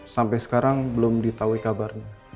sampai sekarang belum di tau kabarnya